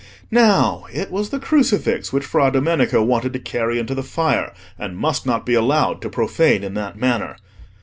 Now it was the crucifix which Fra Domenico wanted to carry into the fire and must not be allowed to profane in that manner.